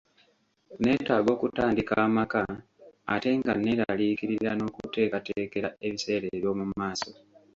Nneetaaga okutandika amaka, ate nga nneeraliikirira n’okuteekateekera ebiseera eby’omu maaso